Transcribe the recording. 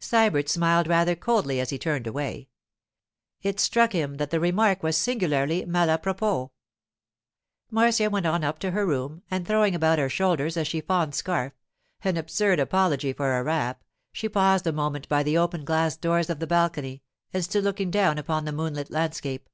Sybert smiled rather coldly as he turned away. It struck him that the remark was singularly malapropos. Marcia went on up to her room, and throwing about her shoulders a chiffon scarf, an absurd apology for a wrap, she paused a moment by the open glass doors of the balcony and stood looking down upon the moonlit landscape.